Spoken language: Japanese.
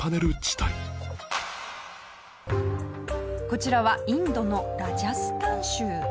こちらはインドのラジャスタン州。